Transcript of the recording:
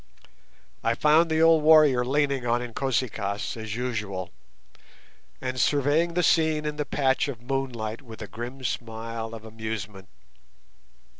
I found the old warrior leaning on Inkosi kaas as usual, and surveying the scene in the patch of moonlight with a grim smile of amusement.